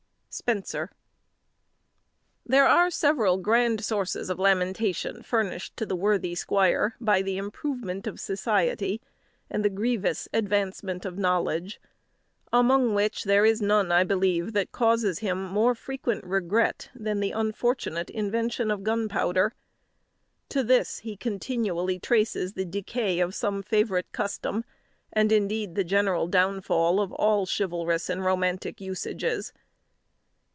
SPENSER. There are several grand sources of lamentation furnished to the worthy squire, by the improvement of society, and the grievous advancement of knowledge; among which there is none, I believe, that causes him more frequent regret than the unfortunate invention of gunpowder. To this he continually traces the decay of some favourite custom, and, indeed, the general downfall of all chivalrous and romantic usages.